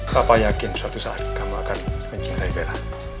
papa yakin suatu saat kamu akan mencintai bella